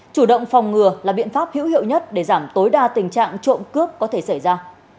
chủ động phòng ngừa là biện pháp hữu hiệu nhất để giảm tối đa tình trạng trộm cướp có thể xảy ra